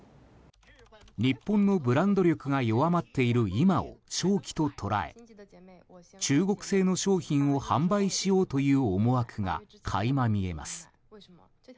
日本のブランド力を弱まっている今を商機と捉え、中国製の商品を販売しようという思惑が垣間見えます。